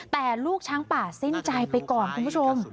แต่ลูกช้างป่าสิ้นใจไปก่อนคุณผู้ชม